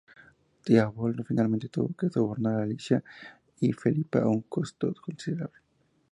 Teobaldo finalmente tuvo que sobornar a Alicia y Felipa a un costo considerable.